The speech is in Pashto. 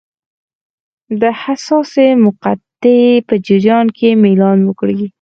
د حساسې مقطعې په جریان کې میلان وکړي.